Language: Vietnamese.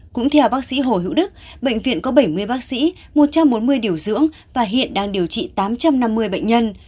cũng theo bác sĩ hồ hữu đức bệnh viện có bảy mươi bác sĩ một trăm bốn mươi điều dưỡng và hiện đang điều trị tám trăm năm mươi bệnh nhân